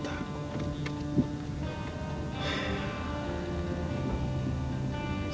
tapi dia juga